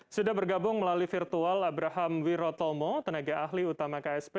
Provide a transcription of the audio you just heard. sudah bergabung melalui virtual abraham wirotomo tenaga ahli utama ksp